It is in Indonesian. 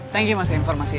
thank you mas informasinya